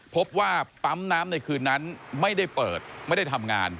พบว่าปั๊มน้ำในคืนนั้นไม่ได้เปิดไม่ได้ทำงาน